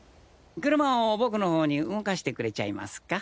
車を僕の方に動かしてくれちゃいますか？